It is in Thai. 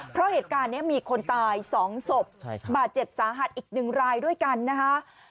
เพราะเหตุการณ์นี้มีคนตาย๒ศพบาดเจ็บสาหัสอีก๑รายด้วยกันนะคะ